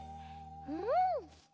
うん。